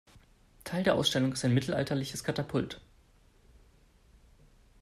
Teil der Ausstellung ist ein mittelalterliches Katapult.